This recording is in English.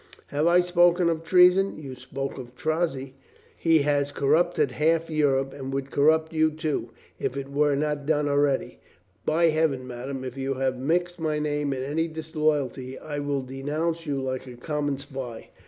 "Have I spoken of treason?" "You spoke of Strozzi. He has corrupted half Europe. And would corrupt you, too, if it were not done already. By Heaven, madame, if you have mixed my name in any disloyalty, I will denounce you like a common spy."